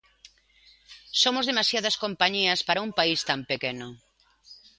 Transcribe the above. Somos demasiadas compañías para un país tan pequeno.